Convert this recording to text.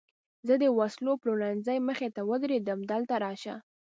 زه د وسلو پلورنځۍ مخې ته ودرېدم، دلته راشه.